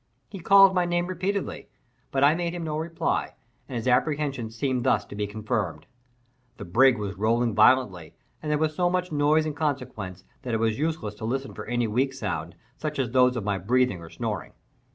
He called my name repeatedly, but I made him no reply, and his apprehensions seemed thus to be confirmed. The brig was rolling violently, and there was so much noise in consequence, that it was useless to listen for any weak sound, such as those of my breathing or snoring.